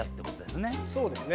そうですね。